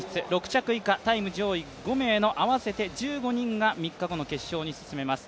６着以下タイム上位５人が合わせて１５人が３日後の決勝に進めます。